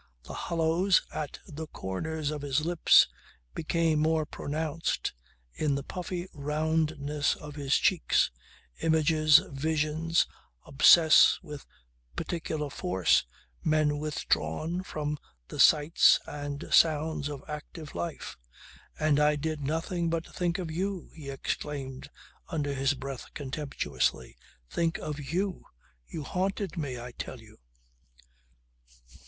The hollows at the corners of his lips became more pronounced in the puffy roundness of his cheeks. Images, visions, obsess with particular force, men withdrawn from the sights and sounds of active life. "And I did nothing but think of you!" he exclaimed under his breath, contemptuously. "Think of you! You haunted me, I tell you."